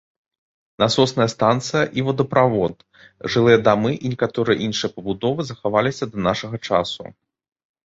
Насосная станцыя і водаправод, жылыя дамы і некаторыя іншыя пабудовы захаваліся да нашага часу.